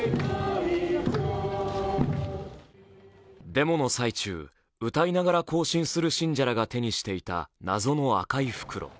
デモの最中、歌いながら行進する信者らが手にしていた謎の赤い袋。